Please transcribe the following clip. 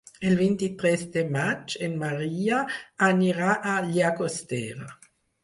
El vint-i-tres de maig en Maria anirà a Llagostera.